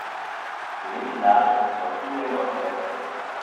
De winter nadert zoals iedereen al gezegd heeft.